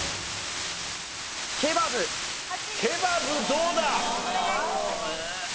ケバブどうだ？